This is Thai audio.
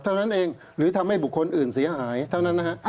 เท่านั้นเองหรือทำให้บุคคลอื่นเสียหายเท่านั้นนะฮะ